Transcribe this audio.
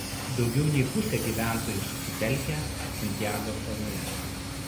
Daugiau nei pusė gyventojų susitelkę Santjago saloje.